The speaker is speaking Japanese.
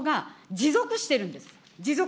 持続しているんです。